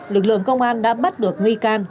lực lượng công an đã bắt được nghi can